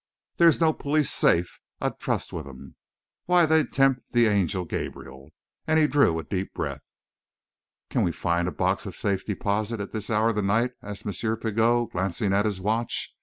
There's no police safe I'd trust with 'em! Why, they'd tempt the angel Gabriel!" and he drew a deep breath. "Can we find a box of safe deposit at this hour of the night?" asked M. Pigot, glancing at his watch.